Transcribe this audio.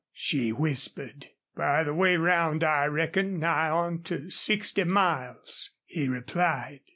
she whispered. "By the way round I reckon nigh on to sixty miles," he replied.